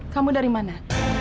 kamu dari mana